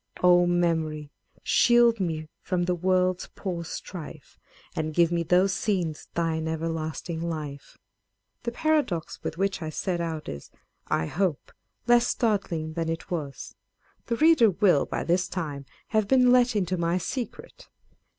O Memory ! shield me from the world's poor strife, And give those scenes thine everlasting life ! The paradox with which I set out is, I hope, less startling than it was ; the reader will, by this time, have been let into my secret.